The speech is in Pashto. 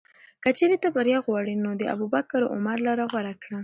که چېرې ته بریا غواړې، نو د ابوبکر او عمر لاره غوره کړه.